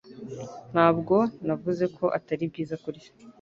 Ntabwo navuze ko atari byiza kurya